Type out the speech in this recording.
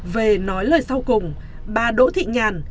về nói lời sau cùng bà đỗ thị nhàn